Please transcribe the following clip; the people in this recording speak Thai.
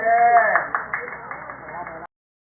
ขอบคุณค่ะ